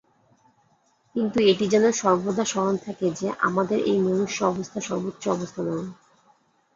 কিন্তু এটি যেন সর্বদা স্মরণ থাকে যে, আমাদের এই মনুষ্য-অবস্থা সর্বোচ্চ অবস্থা নয়।